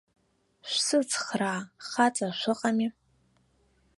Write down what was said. Шәсыцхраа, хаҵа шәыҟами!